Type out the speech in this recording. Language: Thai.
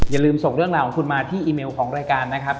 อย่าลืมส่งเรื่องราวของคุณมาที่อีเมลของรายการนะครับ